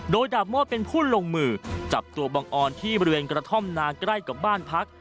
โดยดาบโมดเป็นผู้ลงมือจับตัวบังออนที่บริเวณกระท่อมนาใกล้กับบ้านพัก